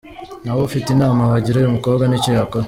Nawe ufite inama wagira uyu mukobwa n’icyo yakora.